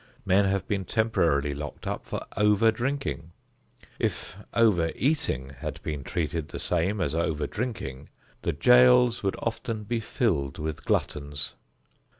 Men have been temporarily locked up for over drinking. If over eating had been treated the same as over drinking, the jails would often be filled with gluttons.